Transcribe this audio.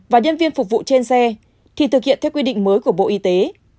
và nhân viên phục vụ trên xe thì thực hiện theo quy định mới của bộ y tế